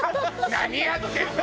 「何やってんの？」